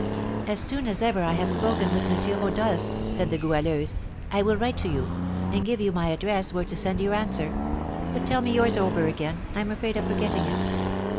"As soon as ever I have spoken with M. Rodolph," said the Goualeuse, "I will write to you, and give you my address where to send your answer; but tell me yours over again, I am afraid of forgetting it."